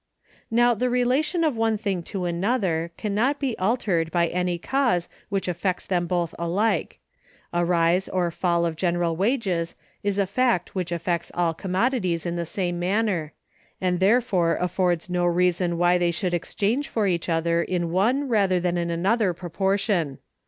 Now the relation of one thing to another can not be altered by any cause which affects them both alike. A rise or fall of general wages is a fact which affects all commodities in the same manner, and therefore affords no reason why they should exchange for each other in one rather than in another proportion.